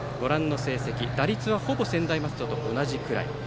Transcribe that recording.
打率はほぼ専大松戸と同じぐらい。